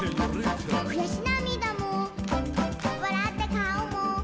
「くやしなみだもわらったかおも」